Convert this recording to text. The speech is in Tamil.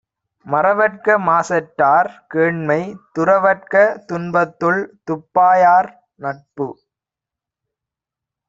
மறவற்க மாசற்றார் கேண்மை; துறவற்க துன்பத்துள் துப்பாயார் நட்பு.